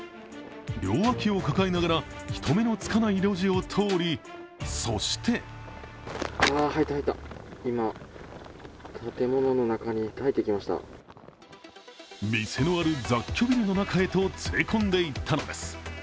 両脇を抱えながら人目のつかない路地を通り、そして店のある雑居ビルの中へと連れ込んでいったのです。